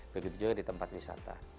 begitu juga di tempat wisata